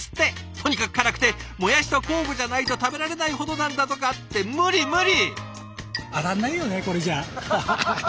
とにかく辛くてもやしと交互じゃないと食べられないほどなんだとか！って無理無理！